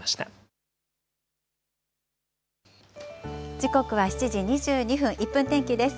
時刻は７時２２分、１分天気です。